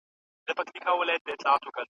زعفران موږ ته نوي ملګري پیدا کړي.